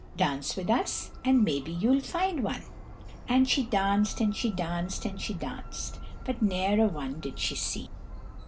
Dance with us, and maybe you'll find one." And she danced and she danced and she danced, but ne'er a one did she see.